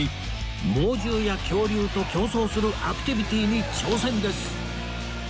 猛獣や恐竜と競走するアクティビティに挑戦です！